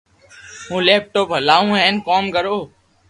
ھون ليپ ٽاپ ھلاو ھين ڪوم ڪرو